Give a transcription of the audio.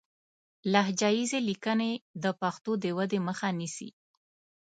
لهجه ييزې ليکنې د پښتو د ودې مخه نيسي